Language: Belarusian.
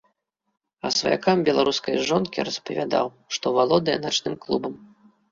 А сваякам беларускай жонкі распавядаў, што валодае начным клубам.